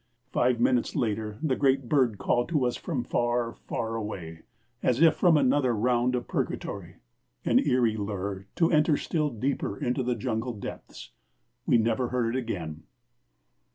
Five minutes later the great bird called to us from far, far away, as if from another round of purgatory an eerie lure to enter still deeper into the jungle depths. We never heard it again.